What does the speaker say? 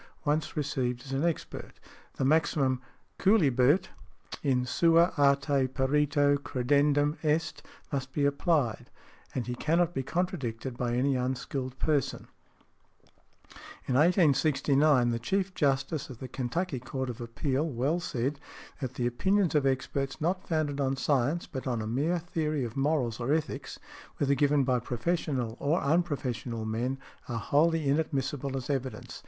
_ Once received as an expert, |115| the maxim "Cuilibet in sua arte perito credendum est," must be applied, and he cannot be contradicted by any unskilled person . In 1869, the Chief Justice of the Kentucky Court of Appeal well said, that "the opinions of experts not founded on science, but on a mere theory of morals or ethics, whether given by professional or unprofessional men, are wholly inadmissible as evidence."